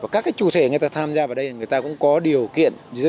các chủ thể người ta tham gia vào đây người ta cũng có điều kiện